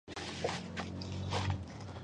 هغوی کولای شول چې د ځان لپاره کار وکړي.